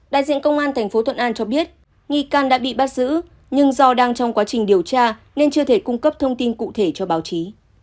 đại diện công an tp thuận an cho biết nghi can đã bị bắt giữ nhưng do đang trong quá trình điều tra nên chưa thể cung cấp thông tin cụ thể cho báo chí